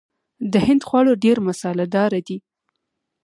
د هند خواړه ډیر مساله دار دي.